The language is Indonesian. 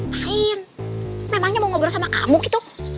mereka ngapain memangnya mau ngobrol sama kamu gitu